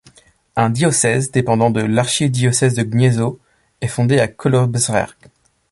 Un diocèse, dépendant de l’archidiocèse de Gniezno, est fondé à Kołobrzeg.